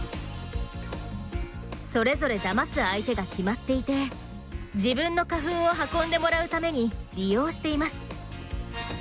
それぞれだます相手が決まっていて自分の花粉を運んでもらうために利用しています。